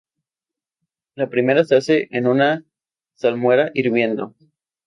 La primera se hace en una salmuera hirviendo.